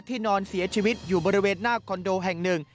นอนเสียชีวิตอยู่บริเวณหน้าคอนโดแห่งหนึ่ง